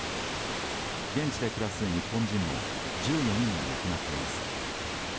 現地で暮らす日本人も１４人が亡くなっています。